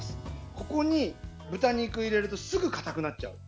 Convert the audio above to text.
ここに豚肉を入れるとすぐ硬くなっちゃう。